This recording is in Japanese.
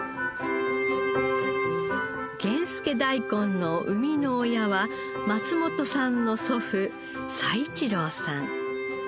源助だいこんの生みの親は松本さんの祖父佐一郎さん。